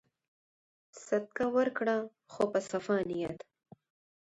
صدقه ورکړه خو په صفا نیت.